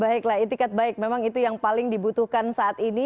baiklah etikat baik memang itu yang paling dibutuhkan saat ini